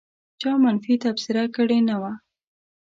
چا منفي تبصره کړې نه وه.